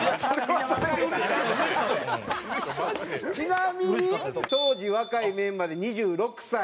ちなみに当時若いメンバーで２６歳。